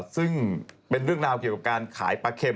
ซึ่งเป็นเรื่องราวเกี่ยวกับการขายปลาเค็ม